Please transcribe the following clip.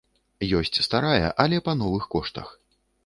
Ёсць старая, але па новых коштах.